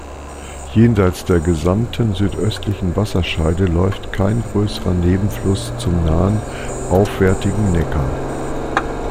Jenseits der gesamten südöstlichen Wasserscheide läuft kein größerer Nebenfluss zum nahen aufwärtigen Neckar.